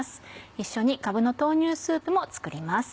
一緒に「かぶの豆乳スープ」も作ります。